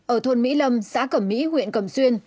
ở thôn mỹ lâm xã cẩm mỹ huyện cẩm xuyên